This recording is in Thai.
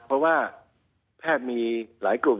เพราะว่าแพทย์มีหลายกลุ่ม